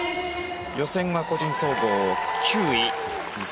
予選は個人総合９位